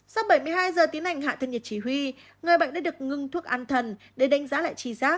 sau bảy mươi hai giờ tiến hành hạ tân nhiệt chỉ huy người bệnh đã được ngưng thuốc ăn thần để đánh giá lại trí giác